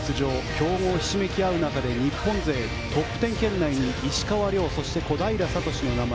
強豪ひしめきあう中で日本勢トップ１０圏内に石川遼そして、小平智の名前。